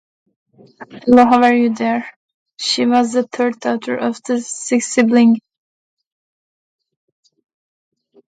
She was the third daughter of the six siblings.